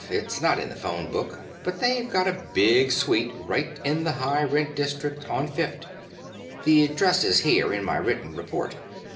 It's not in the phone book, but they've got a big suite right in the high rent district on Fifth. The address is here, in my written report.